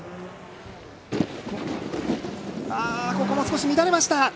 ここも少し乱れました。